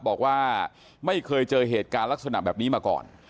บอกว่าไม่เคยเจอเหตุการณ์ลักษณะแบบนี้มาก่อน